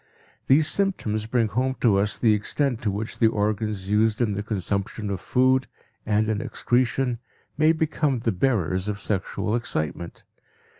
These symptoms bring home to us the extent to which the organs used in the consumption of food and in excretion may become the bearers of sexual excitement.